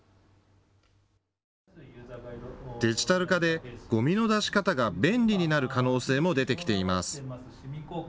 デジタル化でゴミの出し方が便利になる可能性も出てきています。